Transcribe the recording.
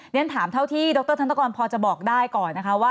เรียกรู้สึกว่าตอนนี้กระทรวงการคลังคุยกันอยู่ที่นี้